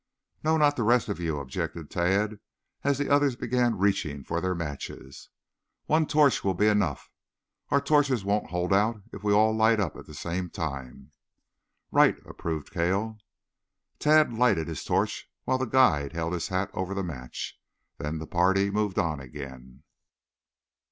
"No, not the rest of you," objected Tad, as the others began reaching for their matches. "One torch will be enough. Our torches won't hold out if we all light up at the same time." "Right," approved Cale. Tad lighted his torch while the guide held his hat over the match. Then the party moved on again.